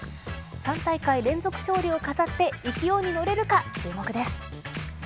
３大会連続勝利を飾って勢いに乗れるか、注目です。